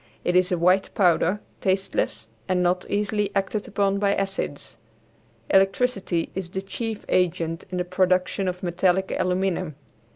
It is a white powder, tasteless, and not easily acted upon by acids. Electricity is the chief agent in the production of metallic aluminum.